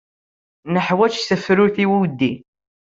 Neḥwaj tafrut i wudi.